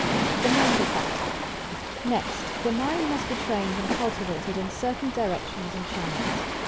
THE MENTAL FACTOR Next, the mind must be trained and cultivated in certain directions and channels.